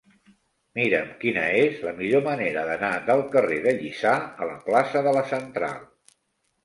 Mira'm quina és la millor manera d'anar del carrer de Lliçà a la plaça de la Central.